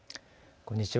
こんにちは。